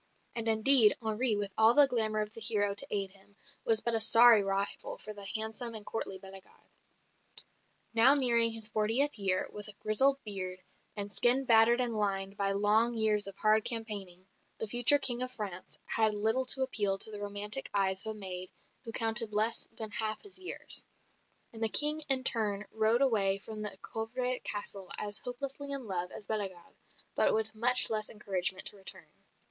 And indeed, Henri, with all the glamour of the hero to aid him, was but a sorry rival for the handsome and courtly Bellegarde. Now nearing his fortieth year, with grizzled beard, and skin battered and lined by long years of hard campaigning, the future King of France had little to appeal to the romantic eyes of a maid who counted less than half his years; and the King in turn rode away from the Coeuvres Castle as hopelessly in love as Bellegarde, but with much less encouragement to return.